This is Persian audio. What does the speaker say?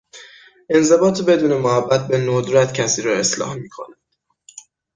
انضباط بدون محبت به ندرت کسی را اصلاح میکند.